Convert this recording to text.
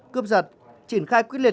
cướp giật triển khai quyết liệt